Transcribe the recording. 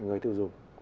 người tiêu dùng